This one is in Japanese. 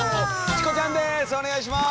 チコちゃんです。